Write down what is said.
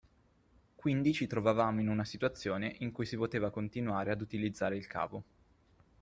Quindi ci trovavamo in una situazione in cui si poteva continuare ad utilizzare il cavo